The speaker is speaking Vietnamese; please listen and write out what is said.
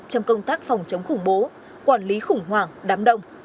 trong công tác phòng chống khủng bố quản lý khủng hoảng đám động